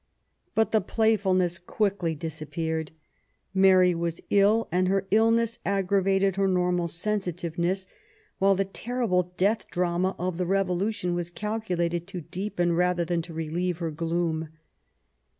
But the playfulness quickly disappeared. Mary was illy and her illness aggravated her normal sensitiveness, while the terrible death drama of the Revolution was calculated to deepen rather than to relieve her gloom.